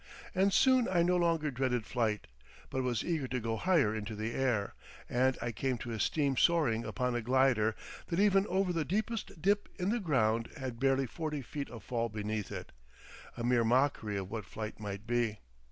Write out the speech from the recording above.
And soon I no longer dreaded flight, but was eager to go higher into the air, and I came to esteem soaring upon a glider, that even over the deepest dip in the ground had barely forty feet of fall beneath it, a mere mockery of what flight might be.